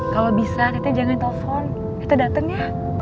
kalo bisa tete jangan telfon teta dateng ya